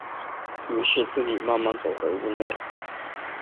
於是自己慢慢走回屋内